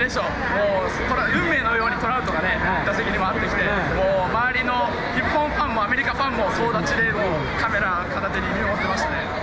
もう運命のようにトラウトがね、打席に回ってきて、もう周りの日本ファンもアメリカファンも総立ちで、カメラ片手に見守ってましたね。